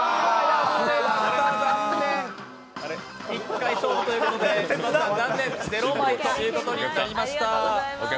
残念、１回勝負ということで０枚ということになりました。